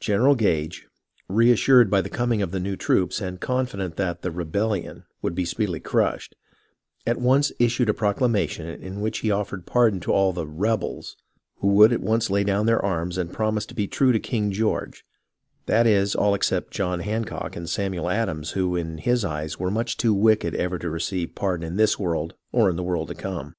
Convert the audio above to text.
General Gage, reassured by the coming of the new troops, and confident that the " rebeUion " would be speedily crushed, at once issued a proclamation in which he offered pardon to all the " rebels " who would at once lay down their arms and promise to be true to King George, that is, all except John Hancock and Samuel Adams, who, in his eyes, were much too wicked ever to re ceive pardon in this world or in the world to come.